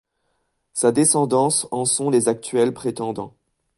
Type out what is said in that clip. Sa descendance en sont les actuels prétendants.